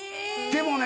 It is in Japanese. でもね